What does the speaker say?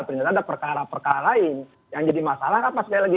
ternyata ada perkara perkara lain yang jadi masalah apa sekali lagi